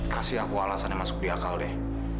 kasih aku alasannya masuk di akal deh